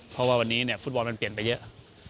เพราะว่าวันนี้ฟุตบอลมันเปลี่ยนไปเยอะ